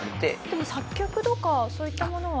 でも作曲とかそういったものは。